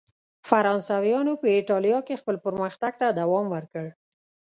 فرانسویانو په اېټالیا کې خپل پرمختګ ته دوام ورکړ.